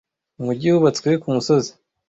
Umugi wubatswe ku musozi